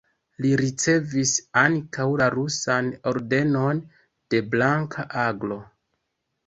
Li ricevis ankaŭ la rusan Ordenon de Blanka Aglo.